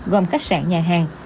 gồm khách sạn nhà hàng